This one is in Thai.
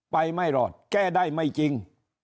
ไม่รอดแก้ได้ไม่จริง